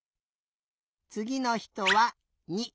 つぎのひとは２。